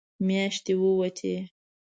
مياشتې ووتې.